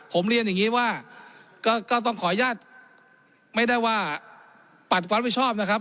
ผมเรียนอย่างนี้ว่าก็ต้องขออนุญาตไม่ได้ว่าปัดความผิดชอบนะครับ